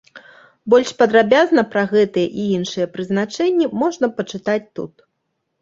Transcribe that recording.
Больш падрабязна пра гэтыя і іншыя прызначэнні можна пачытаць тут.